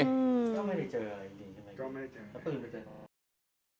ก็ไม่ได้เจออะไรจริง